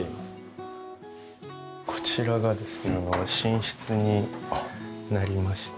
こちらがですね寝室になりまして。